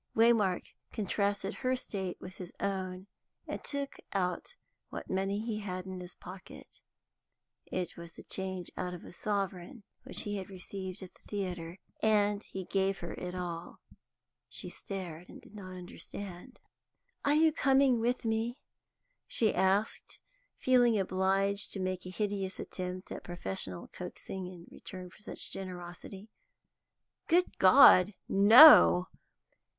Waymark contrasted her state with his own, and took out what money he had in his pocket; it was the change out of a sovereign which he had received at the theatre, and he gave her it all. She stared, and did not understand. "Are you coming with me?" she asked, feeling obliged to make a hideous attempt at professional coaxing in return for such generosity. "Good God, no!"